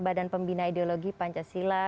badan pembina ideologi pancasila